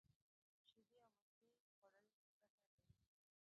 شیدې او مستې خوړل گټه لري.